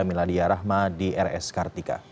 mila diyarahma di rs kartika